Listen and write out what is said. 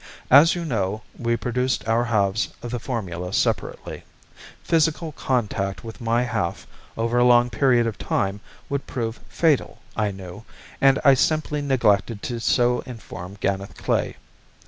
As you know, we produced our halves of the formula separately. Physical contact with my half over a long period of time would prove fatal, I knew, and I simply neglected to so inform Ganeth Klae.